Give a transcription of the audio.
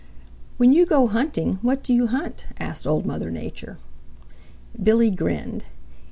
"When you go hunting, what do you hunt?" asked Old Mother Nature. Billy grinned.